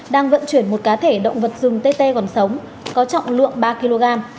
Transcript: đang vận chuyển một cá thể động vật rừng tê tê còn sống có trọng lượng ba kg